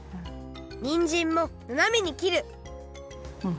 にんじんもななめにきるうん